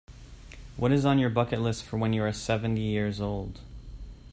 What is on your bucket list for when you are seventy years old?